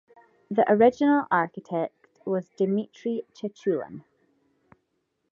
The original architect was Dmitry Chechulin.